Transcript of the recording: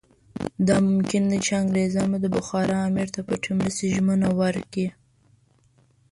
دا ممکنه ده چې انګریزان به د بخارا امیر ته پټې مرستې ژمنه ورکړي.